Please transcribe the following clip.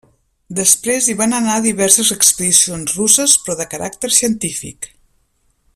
Després hi van anar diverses expedicions russes però de caràcter científic.